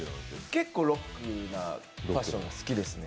結構ロックなファッション好きですね。